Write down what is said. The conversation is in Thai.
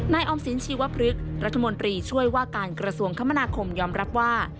ออมสินชีวพฤกษ์รัฐมนตรีช่วยว่าการกระทรวงคมนาคมยอมรับว่า